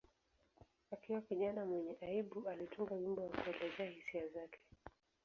Akiwa kijana mwenye aibu, alitunga wimbo wa kuelezea hisia zake.